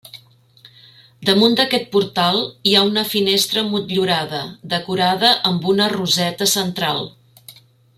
Damunt d'aquest portal hi ha una finestra motllurada, decorada amb una roseta central.